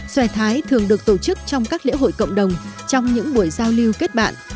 xòe thái thường được tổ chức trong các lễ hội cộng đồng trong những buổi giao lưu kết bạn